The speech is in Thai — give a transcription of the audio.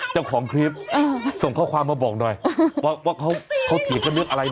จะขออาทิตย์ก็บอกว่าเค้าถีดก็นึกอะไร